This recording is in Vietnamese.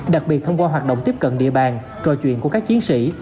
đặc biệt thông qua hoạt động tiếp cận địa bàn trò chuyện của các chiến sĩ